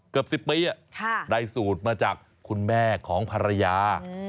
เกือบ๑๐ปีได้สูตรมาจากคุณแม่ของภรรยา